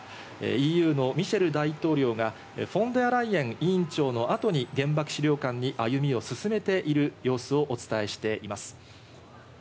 ＥＵのミシェル大統領がフォン・デア・ライエン委員長の後に、原爆資料館に歩みを進めている様子をお伝えしています。